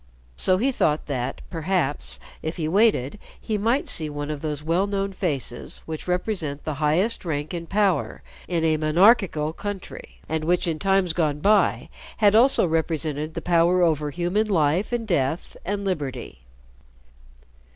So he thought that, perhaps, if he waited, he might see one of those well known faces which represent the highest rank and power in a monarchical country, and which in times gone by had also represented the power over human life and death and liberty.